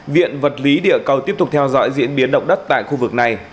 viện vật lý địa cầu tiếp tục theo dõi diễn biến động đất tại khu vực này